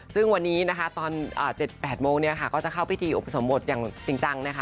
ซึ่งวันนี้นะคะตอน๗๘โมงเนี่ยค่ะก็จะเข้าพิธีอุปสมบทอย่างจริงจังนะคะ